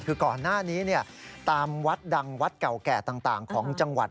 คือก่อนหน้านี้ตามวัดดังวัดเก่าแก่ต่างของจังหวัด